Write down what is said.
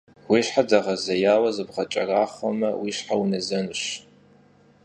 Vui şher değezêyaue zıbğeç'eraxhueme vui şher vunezenuş.